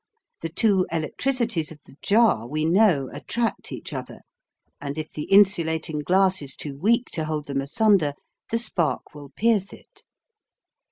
The two electricities of the jar, we know, attract each other, and if the insulating glass is too weak to hold them asunder, the spark will pierce it.